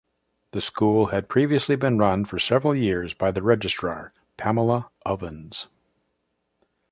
The school had previously been run for several years by the registrar, Pamela Ovens.